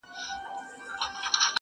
• کورنۍ له دننه ماته سوې ده,